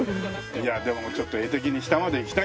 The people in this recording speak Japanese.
いやあでもちょっと画的に下まで行きたいじゃない。